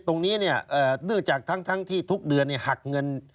ตรงนี้เนี่ยเนื่องจากทั้งที่ทุกเดือนหักเงิน